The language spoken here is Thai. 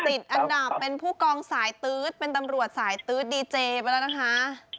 ติดอันดับเป็นผู้กองสายตื๊ดเป็นตำรวจสายตื๊ดดีเจไปแล้วนะคะ